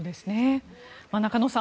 中野さん